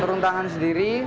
turun tangan sendiri